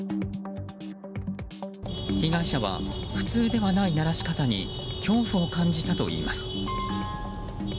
被害者は、普通ではない鳴らし方に恐怖を感じたといいます。